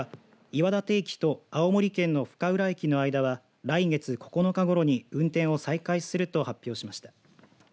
岩館駅と青森県の深浦駅の間は来月９日ごろに運転を再開すると発表しました。